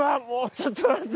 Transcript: ちょっと待って。